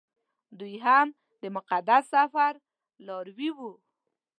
دوی هم د مقدس سفر لاروي وو.